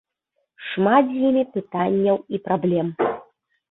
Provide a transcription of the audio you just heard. Шмат з імі пытанняў і праблем.